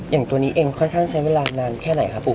อย่างตัวนี้เองค่อนข้างใช้เวลานานแค่ไหนคะค่ะปู